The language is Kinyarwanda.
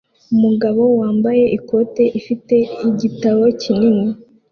Umugabo wambaye ikoti afite igitabo kinini